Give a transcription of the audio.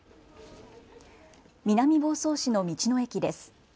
南房総市の道の駅です。